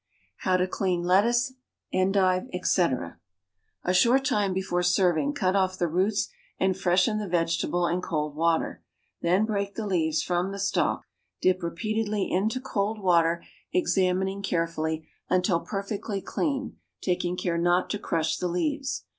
=How to Clean Lettuce, Endive, Etc.= A short time before serving cut off the roots and freshen the vegetable in cold water. Then break the leaves from the stalk; dip repeatedly into cold water, examining carefully, until perfectly clean, taking care not to crush the leaves.